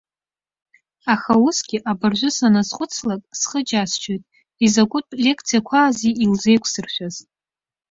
Аха уеизгьы, абыржәы саназхәыцлак, схы џьасшьоит, изакәтәы лекциақәази илеиқәсыршәаз.